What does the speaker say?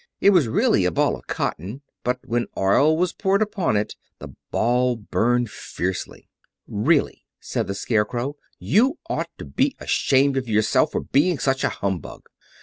It was really a ball of cotton, but when oil was poured upon it the ball burned fiercely. "Really," said the Scarecrow, "you ought to be ashamed of yourself for being such a humbug."